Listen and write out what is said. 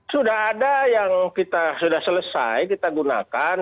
sudah ada yang kita sudah selesai kita gunakan